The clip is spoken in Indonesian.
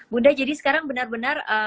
bunda jadi sekarang benar benar